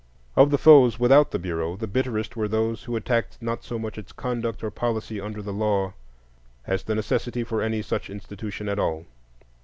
Of the foes without the Bureau, the bitterest were those who attacked not so much its conduct or policy under the law as the necessity for any such institution at all.